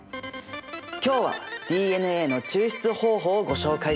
今日はＤＮＡの抽出方法をご紹介しました。